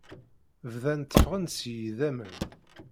Bdan tteffɣen-d seg-i idammen.